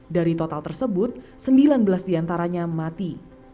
dari total tersebut sembilan belas diantaranya mati